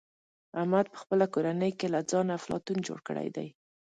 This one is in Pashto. احمد په خپله کورنۍ کې له ځانه افلاطون جوړ کړی دی.